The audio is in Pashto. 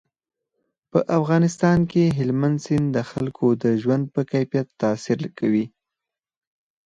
په افغانستان کې هلمند سیند د خلکو د ژوند په کیفیت تاثیر کوي.